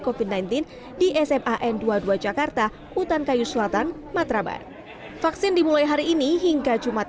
kopi sembilan belas di sma n dua wajah karta utankayu selatan matrabat vaksin dimulai hari ini hingga jumat